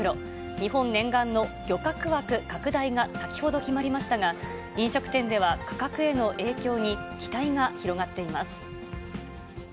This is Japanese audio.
日本念願の漁獲枠拡大が先ほど決まりましたが、飲食店では価格への影響に期待が広がっています。